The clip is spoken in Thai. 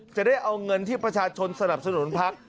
จะได้เอาเงินที่ประชาชนสนับสนุนพัก